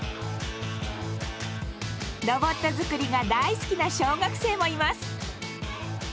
ロボット作りが大好きな小学生もいます。